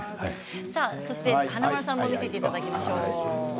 華丸さんも見せていただきましょう。